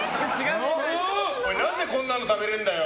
何でこんなの食べれんだよ！